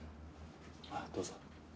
あっどうぞ。